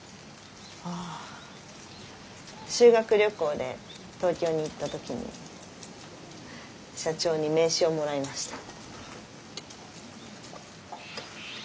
ああ修学旅行で東京に行った時に社長に名刺をもらいました。